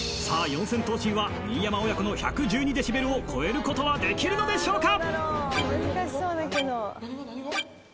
四千頭身は新山親子の１１２デシベルを超えることはできるのでしょうか？